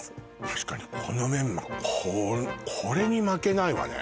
確かにこのメンマこれに負けないわね